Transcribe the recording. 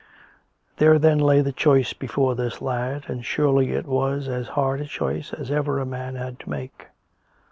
There then lay the choice before this lad, and surely it was as hard a choice as ever a man had to make.